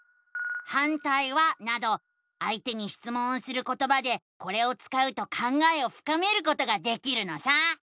「反対は？」などあいてにしつもんをすることばでこれを使うと考えをふかめることができるのさ！